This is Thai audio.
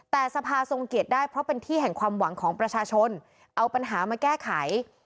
แต่สภาทรงเกียรติได้เพราะเป็นที่แห่งความหวังของประชาชนเอาปัญหามาแก้ไข